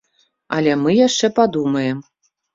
Але мы яшчэ падумаем.